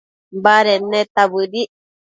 baded neta bëdic